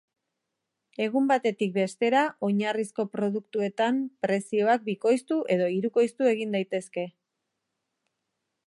Egun batetik bestera oinarrizko produktuetan prezioak bikoiztu edo hirukoiztu egin daitezke.